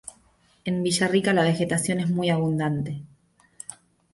En Villarrica la vegetación es muy abundante.